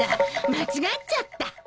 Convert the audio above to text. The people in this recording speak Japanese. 間違っちゃった。